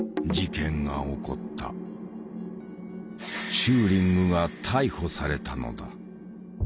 チューリングが逮捕されたのだ。